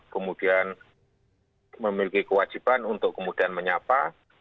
kemudian memiliki kewajiban untuk kemudian menyapa